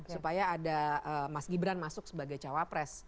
supaya ada mas gibran masuk sebagai cowok pres